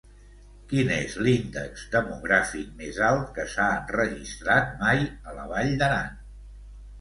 Quin és l'índex demogràfic més alt que s'ha enregistrat mai a la Vall d'Aran?